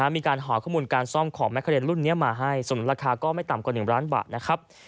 มีการหาข้อมูลการซ่อมของแมคาเดนรุ่นนี้มาให้ส่วนราคาก็ไม่ต่ำกว่า๑ล้านบาทนะครับ